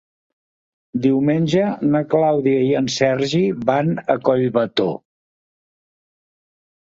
Diumenge na Clàudia i en Sergi van a Collbató.